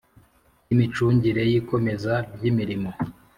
Y imicungire y ikomeza ry imirimo